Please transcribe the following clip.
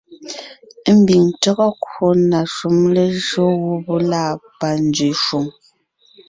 Mbiŋ tÿɔ́gɔ kwò na shúm lejÿó gubé lâ panzwě shwòŋ,